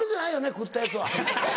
食ったやつは。